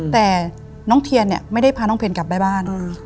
แต่น้องเทียนเนี่ยไม่ได้พาน้องเพนกลับไปบ้าน